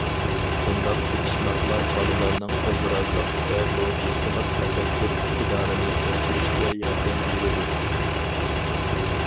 بۇنداق تېپىشماقلار بالىلارنىڭ ئوبرازلىق ۋە لوگىكىلىق تەپەككۇر ئىقتىدارىنى ئۆستۈرۈشكە ياردەم بېرىدۇ.